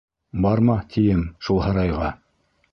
Барма, тием шул һарайға!